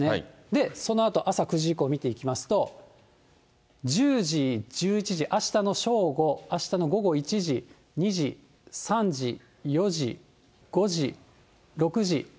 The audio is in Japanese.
でそのあと、朝９時以降見ていきますと、１０時、１１時、あしたの正午、あしたの午後１時、２時、３時、４時、５時、６時、７時、８時、９時。